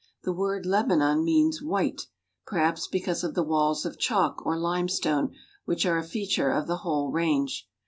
The word Lebanon means "white," perhaps because of the walls of chalk or limestone which are a feature of the whole range.